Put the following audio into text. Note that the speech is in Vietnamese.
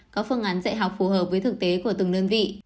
có phương án dạy học phù hợp với thực tế của từng đơn vị